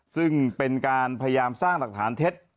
ซึ่งเป็นการพยายามสร้างหลักฐานเท็จ